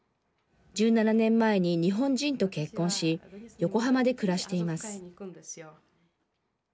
１７年前に日本人と結婚し横浜で暮らしています。